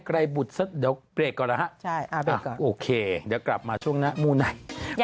อยากให้ไม่มีอะไรกันมีไหมกันหมดเลย